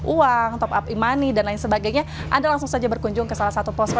uang top up e money dan lain sebagainya anda langsung saja berkunjung ke salah satu posko